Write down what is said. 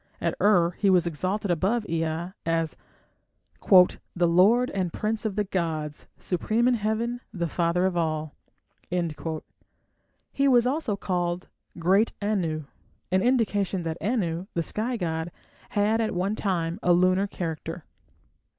At Ur he was exalted above Ea as "the lord and prince of the gods, supreme in heaven, the Father of all"; he was also called "great Anu", an indication that Anu, the sky god, had at one time a lunar character.